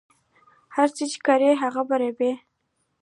هر څه چې کرې هغه به ریبې